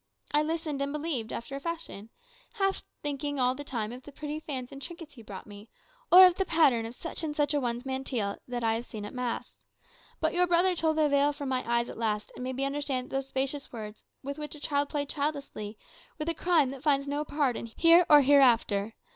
I listened and believed, after a fashion; half thinking all the time of the pretty fans and trinkets you brought me, or of the pattern of such and such an one's mantilla that I had seen at mass. But your brother tore the veil from my eyes at last, and made me understand that those specious words, with which a child played childishly, were the crime that finds no pardon here or hereafter.